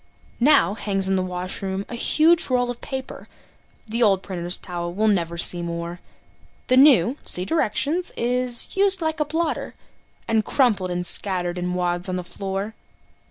Now hangs in the washroom a huge roll of paper The old printer's towel we'll never see more. The new (see directions) is "used like a blotter," And crumpled and scattered in wads on the floor.